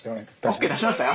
ＯＫ出しました？